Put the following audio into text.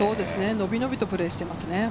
伸び伸びとプレーしていますね。